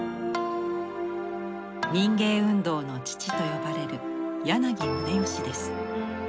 民藝運動の父と呼ばれる柳宗悦です。